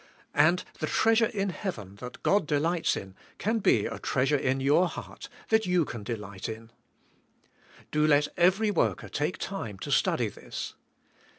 And the treasure in heaven, that God delights in, can be a treasure in your heart, that you can delight in. Do let every worker take time to study this.